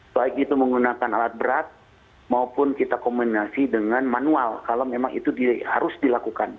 baik itu menggunakan alat berat maupun kita kombinasi dengan manual kalau memang itu harus dilakukan